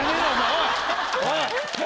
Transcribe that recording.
おいおい。